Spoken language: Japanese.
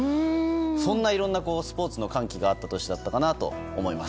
そんないろいろなスポーツの歓喜があった年だったと思います。